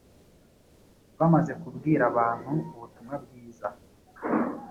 bamaze kubwira abantu ubutumwa bwiza